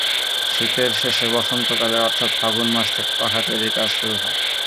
শীতের শেষে বসন্তকালে অর্থাৎ ফাল্গুন মাস থেকে পাখা তৈরির কাজ শুরু হয়।